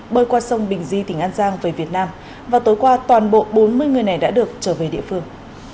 bơi qua sông bình di tỉnh an giang về việt nam và tối qua toàn bộ bốn mươi người này đã được trở về địa phương